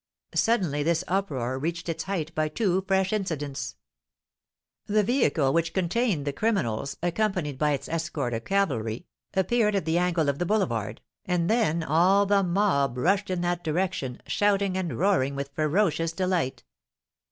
Suddenly this uproar reached its height by two fresh incidents. The vehicle which contained the criminals, accompanied by its escort of cavalry, appeared at the angle of the boulevard, and then all the mob rushed in that direction, shouting and roaring with ferocious delight.